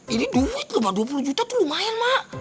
ini duit loh emak dua puluh juta tuh lumayan emak